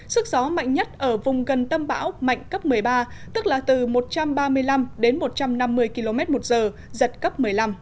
sức gió mạnh nhất ở vùng gần tâm bão mạnh cấp một mươi ba tức là từ một trăm ba mươi năm đến một trăm năm mươi km một giờ giật cấp một mươi năm